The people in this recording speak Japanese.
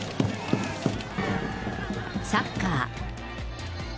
サッカー。